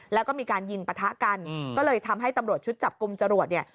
แล้วก็มีการยิงปะทะกันก็เลยทำให้ตำรวจชุดจับกลุ่มจรวดเนี่ย